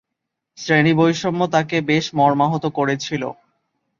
শ্রেণী-বৈষম্য তাকে বেশ মর্মাহত করেছিল।